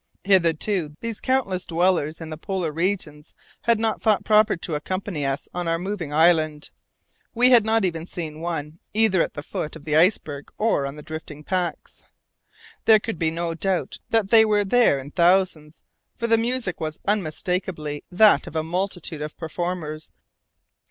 Hitherto these countless dwellers in the polar regions had not thought proper to accompany us on our moving island; we had not seen even one, either at the foot of the iceberg or on the drifting packs. There could be no doubt that they were there in thousands, for the music was unmistakably that of a multitude of performers.